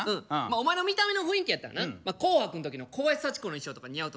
お前の見た目の雰囲気やったらな「紅白」の時の小林幸子の衣装とか似合うと思うねんけど。